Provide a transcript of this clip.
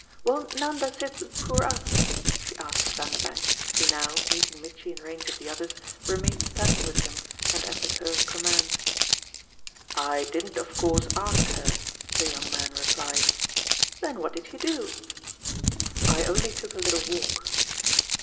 Won't Nanda sit with poor US?" she asked of Vanderbank, who now, meeting Mitchy in range of the others, remained standing with him and as at her commands. "I didn't of course ask her," the young man replied. "Then what did you do?" "I only took a little walk."